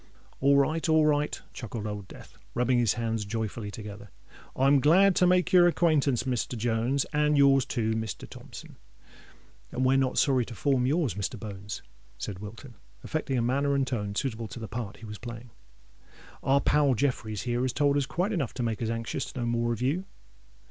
"All right—all right!" chuckled Old Death, rubbing his hands joyfully together. "I'm glad to make your acquaintance, Mr. Jones—and your's too, Mr. Thompson." "And we're not sorry to form yours, Mr. Bones," said Wilton, affecting a manner and tone suitable to the part he was playing. "Our pal Jeffreys here has told us quite enough to make us anxious to know more of you."